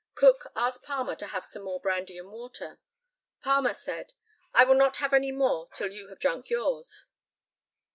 Cook asked Palmer to have some more brandy and water. Palmer said, "I will not have any more till you have drunk yours."